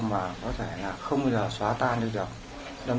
vào tối rằm tháng tám năm hai nghìn một mươi bốn